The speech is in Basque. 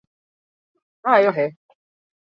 Hamar urte beranduago berriz erre eta berreraiki zen.